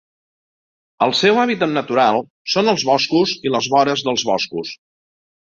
El seu hàbitat natural són els boscos i les vores dels boscos.